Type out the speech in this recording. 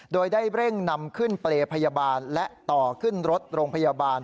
โดยได้เร่งนำขึ้นเปรย์พยาบาลและต่อขึ้นรถโรงพยาบาล